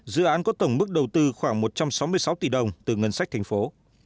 dự án có tổng mức đầu tư khoảng một trăm sáu mươi sáu tỷ đồng từ ngân sách thành phố